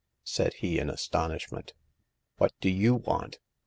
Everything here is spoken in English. said he, in astonish ment. " What do you want